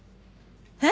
えっ？